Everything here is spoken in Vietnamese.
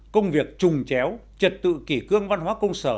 công việc trùng chéo trật tự kỷ cương văn hóa công sở